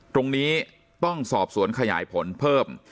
ตรงนี้ต้องสอบสวนขยายผลเพิ่ม